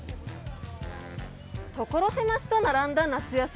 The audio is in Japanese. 所狭しと並んだ夏野菜。